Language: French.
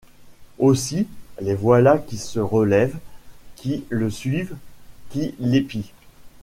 Aussi, les voilà qui se relèvent, qui le suivent, qui l’épient!